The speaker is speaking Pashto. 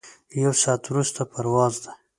یو ساعت وروسته پرواز دی.